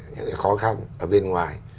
những cái khó khăn ở bên ngoài